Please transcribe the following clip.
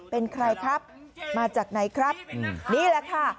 เป็นใครครับมาจากไหนครับนี่แหละค่ะ